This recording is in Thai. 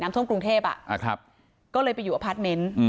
น้ำท่วมกรุงเทพอ่ะอ่ะครับก็เลยไปอยู่อพาร์ทเมนต์อืม